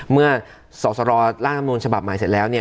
เมื่อสอบสรรค์รัฐธรรมนูลฉบับใหม่เสร็จแล้ว